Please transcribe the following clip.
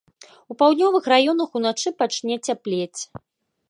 У паўднёвых раёнах уначы пачне цяплець.